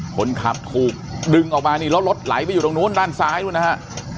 คนขับถูกดึงออกมานี่แล้วรถไหลไปอยู่ตรงนู้นด้านซ้ายนู่นนะฮะ